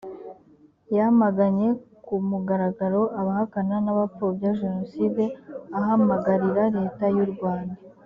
yamaganye kumugaragaro abahakana n abapfobya jenoside ahamagarira leta y urwanda